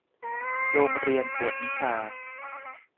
โรงเรียนกวดวิชา